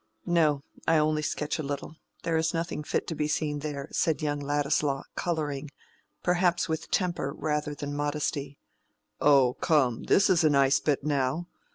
"No, I only sketch a little. There is nothing fit to be seen there," said young Ladislaw, coloring, perhaps with temper rather than modesty. "Oh, come, this is a nice bit, now.